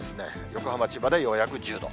横浜、千葉でようやく１０度。